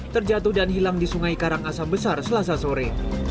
terjatuh dan hilang di sungai karangasem besar selasa sore